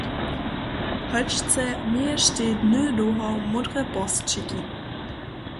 Holčce měještej dny dołho módre porsćiki.